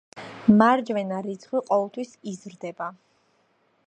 მარჯვენა რიცხვი ყოველთვის იზრდება.